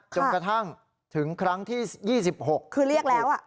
จนกระทั่งถึงครั้งที่๒๖คือเรียกแล้ว